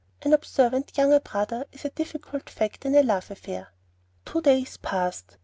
An observant younger brother is a difficult factor in a love affair. Two days passed.